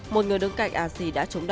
một người đứng cạnh asi đã trúng